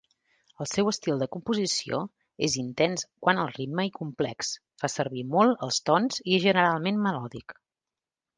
El seu estil de composició és intens quant al ritme i complex, fa servir molt els tons i és generalment melòdic.